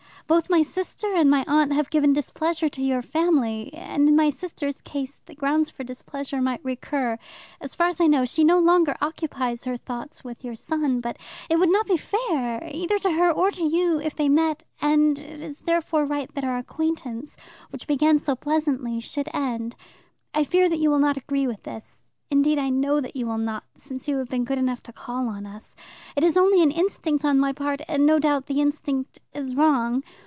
Both my sister and my aunt have given displeasure to your family, and, in my sister's case, the grounds for displeasure might recur. As far as I know, she no longer occupies her thoughts with your son. But it would not be fair, either to her or to you, if they met, and it is therefore right that our acquaintance which began so pleasantly, should end. I fear that you will not agree with this; indeed, I know that you will not, since you have been good enough to call on us. It is only an instinct on my part, and no doubt the instinct is wrong.